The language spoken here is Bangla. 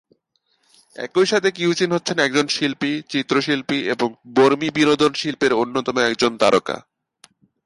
একই সাথে কিউ জিন হচ্ছেন একজন শিল্পী, চিত্রশিল্পী এবং বর্মী বিনোদন শিল্পের অন্যতম একজন তারকা।